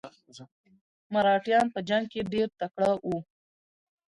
مراتیان په جنګ کې ډیر تکړه وو.